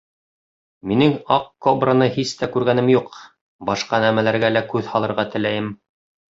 Минең аҡ кобраны һис тә күргәнем юҡ, башҡа нәмәләргә лә күҙ һалырға теләйем.